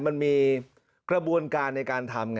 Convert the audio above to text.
มันมีกระบวนการในการทำไง